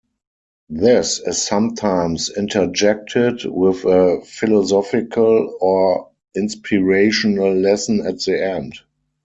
This is sometimes interjected with a philosophical or inspirational lesson at the end.